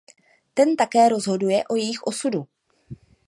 Ten také rozhoduje o jejich osudu.